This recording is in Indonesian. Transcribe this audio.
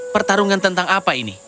pertarungan tentang apa ini